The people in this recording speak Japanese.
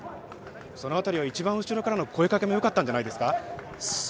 その辺り、一番後ろからの声かけもよかったんじゃないんですか。